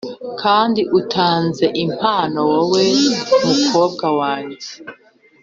kandi utanze impano-wowe mukobwa wanjye.